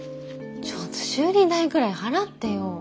ちょっと修理代くらい払ってよ！